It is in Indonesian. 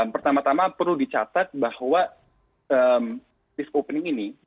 pertama tama perlu dicatat bahwa disk opening ini